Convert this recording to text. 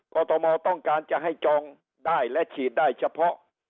กรทมต้องการจะให้จองได้และฉีดได้เฉพาะ